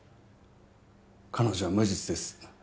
彼女は無実です